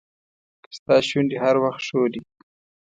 که ستا شونډې هر وخت ښوري.